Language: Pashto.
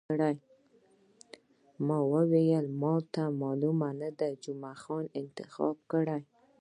ما وویل، ما ته معلوم نه دی، جمعه خان انتخاب کړی.